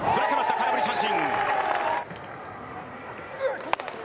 空振り三振！